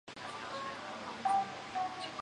巴塞隆拿是冠军。